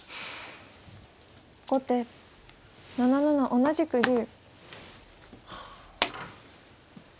後手７七同じく竜。